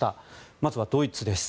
まずはドイツです。